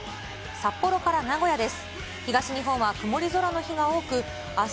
札幌から名古屋です。